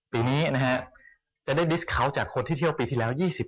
ปีนี้นะคะจะได้ลงที่เที่ยวของคนที่เที่ยวปีที่แล้ว๒๐